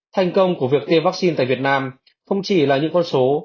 thành công của việc tiêm vaccine tại việt nam không chỉ là những con số